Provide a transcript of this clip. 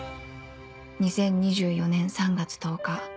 ２０２４年３月１０日